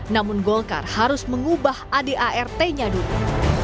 namun golkar harus mengubah adart nya dulu